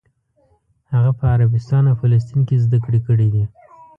هغه په عربستان او فلسطین کې زده کړې کړې دي.